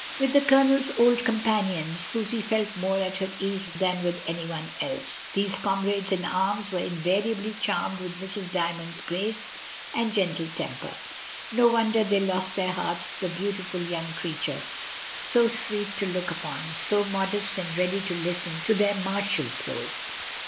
With the Colonel's old companions Susy felt more at her ease than with any one else. These comrades in arms were inva riably charmed with Mrs. Dymond's grace and gentle temper; no wonder they lost their hearts to the beautiful young creature, so sweet to look upon, so modest and ready to listen to their martial prose.